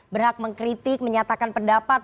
berhak mengkritik menyatakan pendapat